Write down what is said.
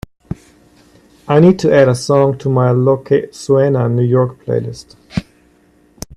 I need to add a song to my lo que suena new york playlist.